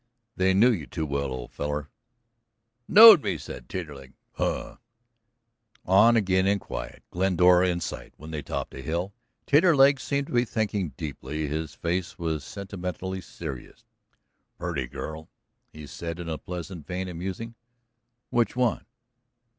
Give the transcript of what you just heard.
"They knew you too well, old feller." "Knowed me!" said Taterleg. "Huh!" On again in quiet, Glendora in sight when they topped a hill. Taterleg seemed to be thinking deeply; his face was sentimentally serious. "Purty girl," he said in a pleasant vein of musing. "Which one?"